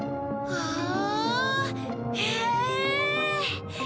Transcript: わあ！